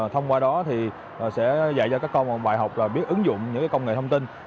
thông qua đó sẽ dạy cho các con bài học biết ứng dụng những công nghệ thông tin